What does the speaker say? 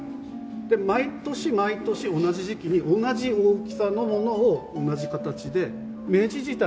で毎年毎年同じ時期に同じ大きさのものを同じ形で明治時代からやってるんです。